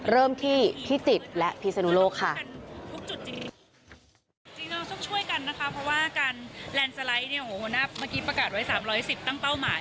เริ่มที่พิจิตรและพิศนุโลกค่ะ